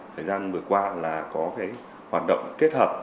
thời gian vừa qua là có cái hoạt động kết hợp